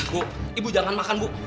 ibu ibu jangan makan bu